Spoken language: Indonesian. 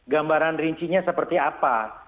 gambaran rincinya seperti apa